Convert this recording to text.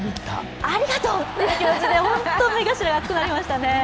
ありがとうという気持ちで本当、目頭が熱くなりましたね。